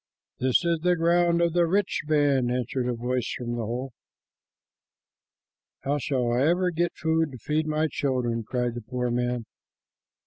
"This is the ground of the rich man," answered a voice from the hole. "How shall I ever get food for my children!" cried the poor man.